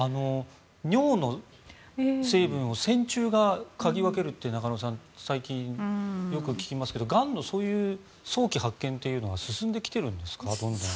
尿の成分を線虫が嗅ぎ分けるって中野さん、最近よく聞きますががんのそういう早期発見というのは進んできてるんですかどんどん。